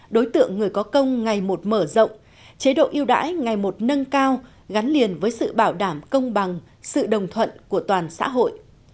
đối tượng người có công ngày một mở rộng chế độ yêu đãi ngày một nâng cao gắn liền với sự bảo đảm công bằng sự đồng thuận của toàn xã hội